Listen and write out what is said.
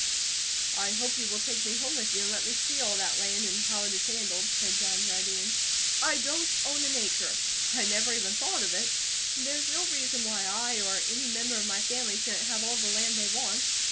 "I hope you will take me home with you, and let me see all that land, and how it is handled," said John Jardine. "I don't own an acre. I never even have thought of it, but there is no reason why I, or any member of my family shouldn't have all the land they want.